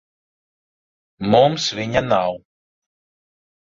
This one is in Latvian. Mums viņa nav.